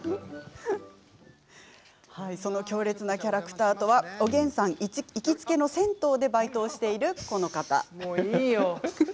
その強烈なキャラクターとはおげんさん行きつけの銭湯でバイトしている、この人。